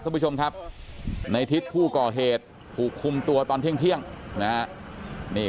คุณผู้ชมครับในทิศผู้ก่อเหตุถูกคุมตัวตอนเที่ยงนะฮะนี่